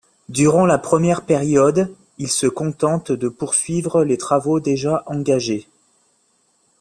Durant la première période, il se contente de poursuivre les travaux déjà engagés.